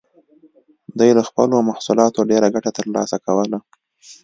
دوی له خپلو محصولاتو ډېره ګټه ترلاسه کوله.